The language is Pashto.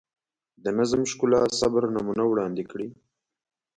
د نظم، ښکلا، صبر نمونه وړاندې کړي.